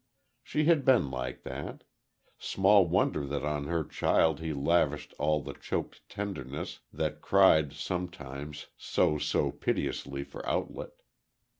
She had been like that. Small wonder that on her child he lavished all the choked tenderness that cried, sometimes, so, so piteously for outlet.